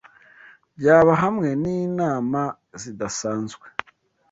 Byaba, hamwe ninama zidasanzwe